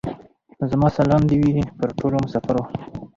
زما سلام دي وې پر ټولو مسافرو.